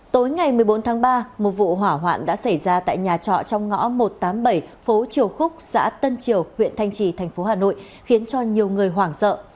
tối ngày một mươi bốn tháng ba một vụ hỏa hoạn đã xảy ra tại nhà trọ trong ngõ một trăm tám mươi bảy phố triều khúc xã tân triều huyện thanh trì thành phố hà nội khiến cho nhiều người hoảng sợ